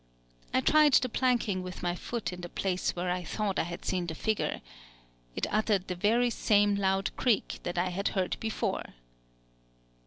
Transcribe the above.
I tried the planking with my foot in the place where I thought I had seen the figure: it uttered the very same loud creak that I had heard before.